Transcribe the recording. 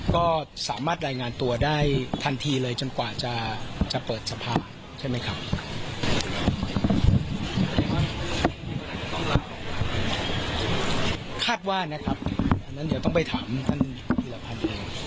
คาดว่านะครับอันนั้นเดี๋ยวต้องไปถามท่านภีรภัณฑ์เอง